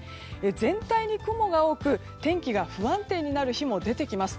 全体に雲が多く、天気が不安定になる日も出てきます。